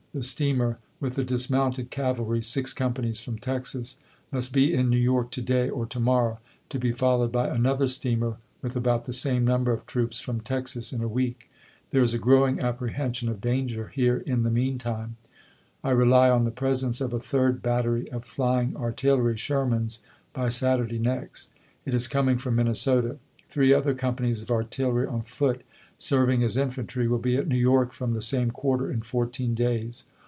The steamer with the dismounted cavalry (six companies) from Texas, must be in New York to day or to morrow, to be followed by another steamer, with about the same number of troops, from Texas, in a week. There is a growing apprehension of danger here in the mean time. I rely on the presence of a third battery of flying artillery (Sherman's) by Saturday next. It is com ing from Minnesota. Three other companies of artillery on foot, serving as infantry, will be at New York, from the same quarter, in fourteen days.